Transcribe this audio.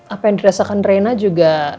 apa yang dirasakan reina juga